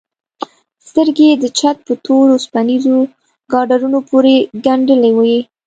سترگې يې د چت په تورو وسپنيزو ګاډرونو پورې گنډلې وې.